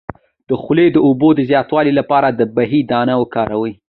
د خولې د اوبو د زیاتوالي لپاره د بهي دانه وکاروئ